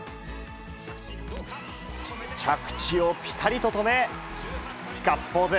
着地をぴたりと止め、ガッツポーズ。